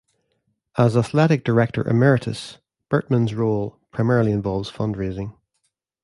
As athletic director emeritus, Bertman's role primarily involves fundraising.